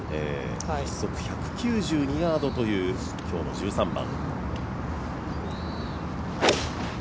実測１９２ヤードという今日の１３番。